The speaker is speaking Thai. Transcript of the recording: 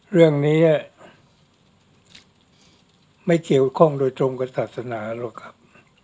เรื่องนี้ไม่เกี่ยวข้องโดยตรงกับศาสนาหรอกครับ